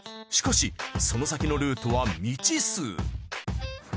しかしその先のルートは未知数。